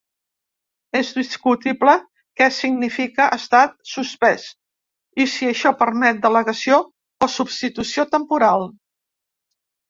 És discutible què significa estar suspès, i si això permet delegació o substitució temporal.